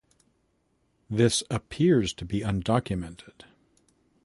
This appears to be undocumented.